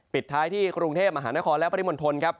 ปิดท้ายที่กรุงเทพมหานครและปริมณฑลครับ